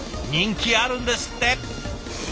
人気あるんですって！